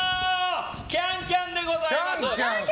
キャン×キャンでございます。